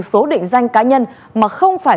số định danh cá nhân mà không phải